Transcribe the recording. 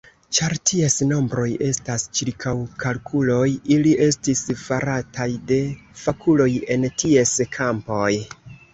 Ĉar ties nombroj estas ĉirkaŭkalkuloj, ili estis farataj de fakuloj en ties kampoj.